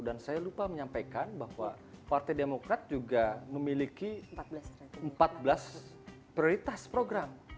dan saya lupa menyampaikan bahwa partai demokrat juga memiliki empat belas prioritas program